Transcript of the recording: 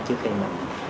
trước khi mình